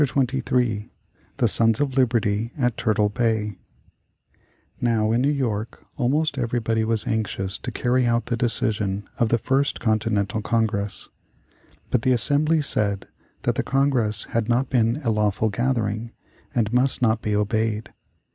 CHAPTER XXIII THE SONS of LIBERTY at TURTLE BAY Now in New York almost everybody was anxious to carry out the decision of this First Continental Congress. But the Assembly said that the Congress had not been a lawful gathering and must not be obeyed.